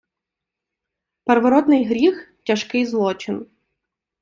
Первородний гріх - тяжкий злочин